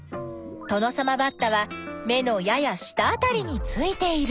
トノサマバッタは目のやや下あたりについている。